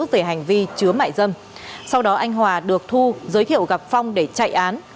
về hành vi chứa mại dâm sau đó anh hòa được thu giới thiệu gặp phong để chạy án